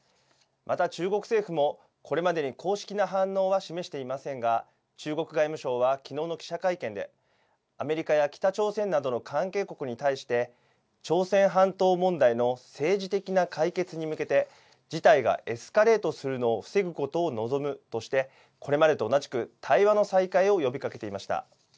また中国政府も、これまでに公式な反応は示していませんが、中国外務省はきのうの記者会見で、アメリカや北朝鮮などの関係国に対して、朝鮮半島問題の政治的な解決に向けて、事態がエスカレートすることを防ぐことを望むとして、これまでと同じく、対話の再開を呼びかけていました。